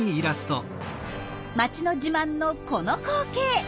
町の自慢のこの光景。